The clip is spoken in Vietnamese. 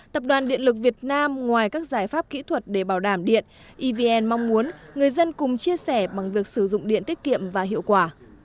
tập đoàn điện lực việt nam ngoài các giải pháp kỹ thuật để bảo đảm điện evn mong muốn người dân cùng chia sẻ bằng việc sử dụng điện tiết kiệm và hiệu quả